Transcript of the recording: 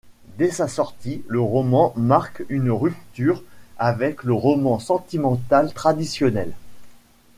Dès sa sortie, le roman marque une rupture avec le roman sentimental traditionnel.